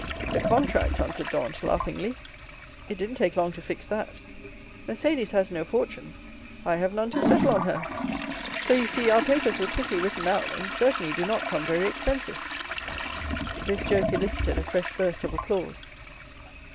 "The contract," answered Dantès, laughingly, "it didn't take long to fix that. Mercédès has no fortune; I have none to settle on her. So, you see, our papers were quickly written out, and certainly do not come very expensive." This joke elicited a fresh burst of applause.